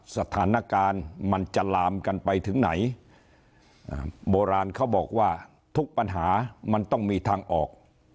สถานการณ์มันจะลามกันไปถึงไหนโบราณเขาบอกว่าทุกปัญหามันต้องมีทางออก